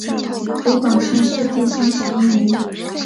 湖广乡试第三十一名。